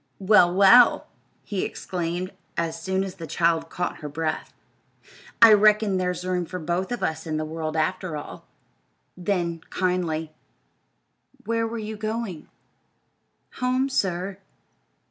"Well, well!" he exclaimed as soon as the child caught her breath. "I reckon there's room for both of us in the world, after all." Then, kindly: "Where were you going?" "Home, sir."